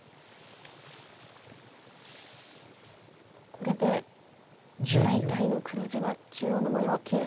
これで大体の黒地は中央の模様は消えそうですか。